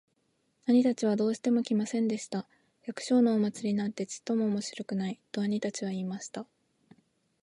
兄たちはどうしても来ませんでした。「百姓のお祭なんてちっとも面白くない。」と兄たちは言いました。